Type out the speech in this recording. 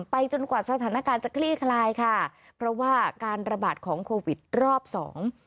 จนกว่าสถานการณ์จะคลี่คลายค่ะเพราะว่าการระบาดของโควิดรอบสอง